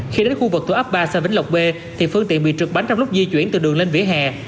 khi đến khu vực tổ áp ba xã vĩnh lọc b phương tiện bị trượt bánh trong lúc di chuyển từ đường lên vỉa hè